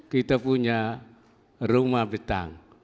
kita punya rumah betang